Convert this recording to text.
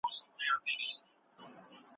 په ټولنه کي آرام او هوسا ژوند د هر چا حق دی.